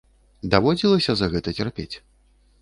Даводзілася за гэта цярпець?